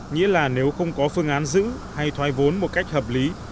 nghĩa là nếu không có phương án giữ hay thoái vốn một cách hợp lý